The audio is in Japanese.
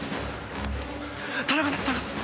田中さん田中さん。